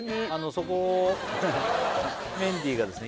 そこをメンディーがですね